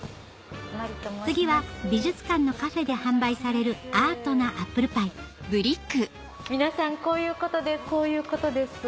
次は美術館のカフェで販売されるアートなアップルパイ皆さんこういうことです。